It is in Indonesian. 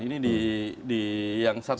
ini di yang satunya